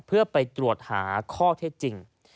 เพื่อไปตรวจหาข้อเท็จจริง